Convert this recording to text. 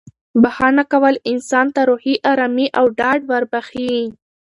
بښنه کول انسان ته روحي ارامي او ډاډ وربښي.